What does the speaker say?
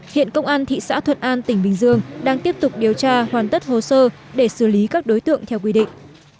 hiện công an thị xã thuận an tỉnh bình dương đang tiếp tục điều tra hoàn tất hồ sơ để xử lý các đối tượng theo quy định